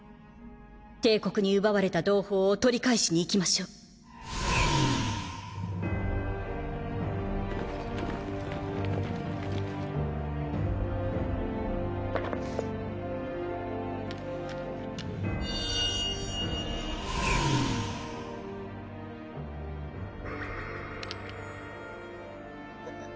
帝国に奪われた同胞を取り返しに行きましうっ